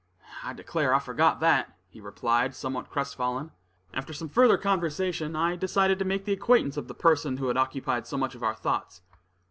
"I declare, I forgot that," he replied, somewhat crestfallen. After some further conversation, I decided to make the acquaintance of the person who had occupied so much of our thoughts.